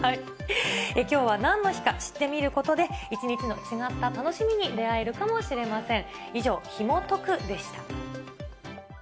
きょうはなんの日か知ってみることで、一日の違った楽しみに出会えるかもしれません。